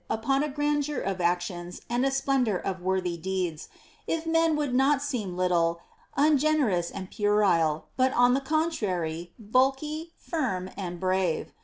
182 PLEASURE NOT ATTAINABLE upon a grandeur of actions and a splendor of worthy deeds, if men would not seem little, ungenerous, and puerile, but on the contrary, bulky, firm, and brave.